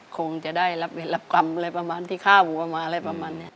คงจะได้รับเหตุรับคำอะไรประมาณที่ข้าบุคลิกมาอะไรประมาณนี้